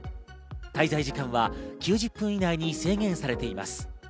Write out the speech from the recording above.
滞在時間は９０分以内に制限されています。